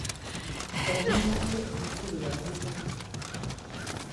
Omwano we omukulu yali mulwadde.